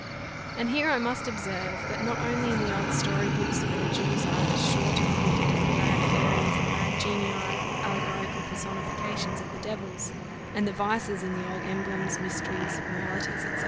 And here I must observe, that not only in the old story books, where the Jews are as sure to be wicked as the bad fairies, or bad genii, or allegorical personifications of the devils, and the vices in the old emblems, mysteries, moralities, &c.